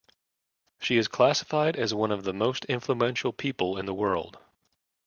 She is classified as one of the most influential people in the world.